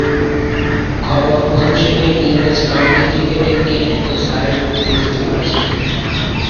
ঘরোয়া প্রথম-শ্রেণীর ইংরেজ কাউন্টি ক্রিকেটে কেন্ট ও সারের প্রতিনিধিত্ব করেছেন।